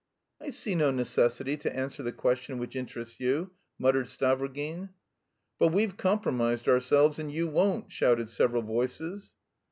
"I see no necessity to answer the question which interests you," muttered Stavrogin. "But we've compromised ourselves and you won't," shouted several voices.